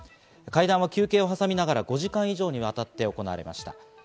会談は休憩を挟みながら５時間以上にわたって行われました。